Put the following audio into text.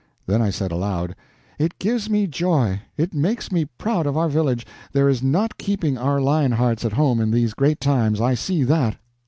Then I said aloud: "It gives me joy. It makes me proud of our village. There is not keeping our lion hearts at home in these great times, I see that."